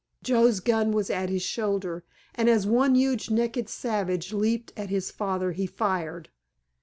Joe's gun was at his shoulder, and as one huge naked savage leaped at his father he fired.